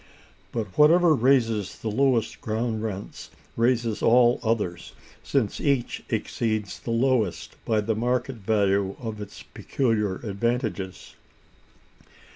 But whatever raises the lowest ground rents raises all others, since each exceeds the lowest by the market value of its peculiar advantages.